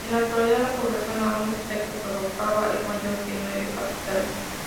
En la actualidad, la población aún respecto, Sorocaba es mayor que nueve capitales.